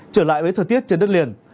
trở lại với thời tiết trên đất liền